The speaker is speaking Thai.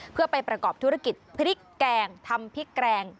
เพื่อไปประกอบธุรกิจพริกแกงทำพริกแกง